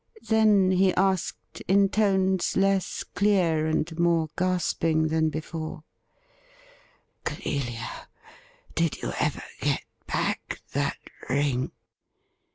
Then he asked, in tones less clear and more gasping than before :' Clelia, did you ever get back that ring